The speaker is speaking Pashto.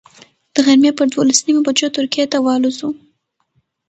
د غرمې پر دولس نیمو بجو ترکیې ته والوځو.